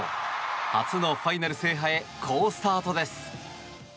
初のファイナル制覇へ好スタートです。